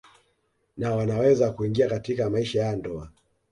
Na wanaweza kuingia katika maisha ya ndoa